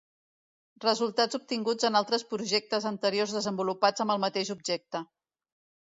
Resultats obtinguts en altres projectes anteriors desenvolupats amb el mateix objecte.